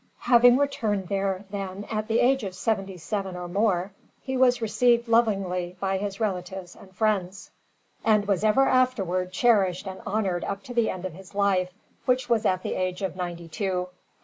Having returned there, then, at the age of seventy seven or more, he was received lovingly by his relatives and friends, and was ever afterward cherished and honoured up to the end of his life, which was at the age of ninety two.